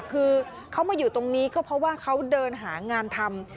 คือเขามาอยู่ตรงนี้ก็เพราะว่าเขาเดินหางานทำ